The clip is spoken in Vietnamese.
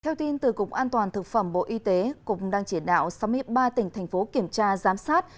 theo tin từ cục an toàn thực phẩm bộ y tế cục đang chỉ đạo sáu mươi ba tỉnh thành phố kiểm tra giám sát